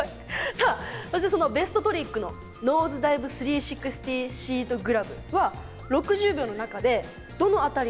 さあそしてそのベストトリックのノーズダイブ・３６０・シートグラブは６０秒の中でどの辺りに入れてますか？